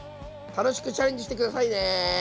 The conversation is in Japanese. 楽しくチャレンジして下さいね！